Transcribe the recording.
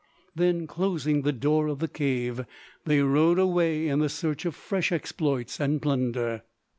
Then, closing the door of the cave, they rode away in the search of fresh exploits and plunder.